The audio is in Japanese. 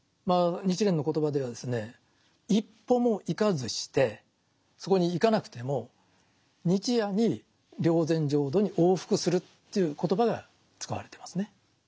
日蓮の言葉ではですね一歩も行かずしてそこに行かなくても日夜に霊山浄土に往復するという言葉が使われてますね。